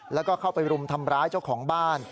แล้วก็เข้าไปรุมทำร้ายเจ้าของบ้าน